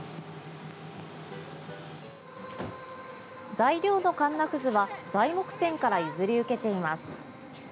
材料のかんなくずは材木店から譲り受けています。